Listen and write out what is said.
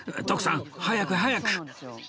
徳さん早く早く！